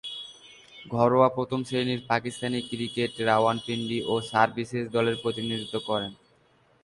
ঘরোয়া প্রথম-শ্রেণীর পাকিস্তানি ক্রিকেটে রাওয়ালপিন্ডি ও সার্ভিসেস দলের প্রতিনিধিত্ব করেন।